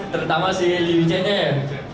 terutama si liu yuchennya ya